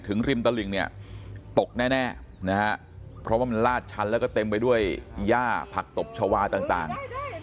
ริมตลิ่งเนี่ยตกแน่นะฮะเพราะว่ามันลาดชั้นแล้วก็เต็มไปด้วยย่าผักตบชาวาต่าง